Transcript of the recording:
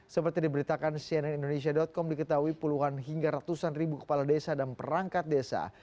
seperti diberitakan cnn indonesia com diketahui puluhan hingga ratusan ribu kepala desa dan perangkat desa